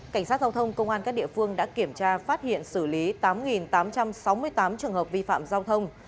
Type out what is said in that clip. cảnh sát giao thông công an các địa phương đã kiểm tra phát hiện xử lý tám tám trăm sáu mươi tám trường hợp vi phạm giao thông